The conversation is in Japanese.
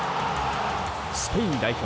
スペイン代表